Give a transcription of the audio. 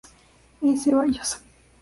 E. Zeballos, Av.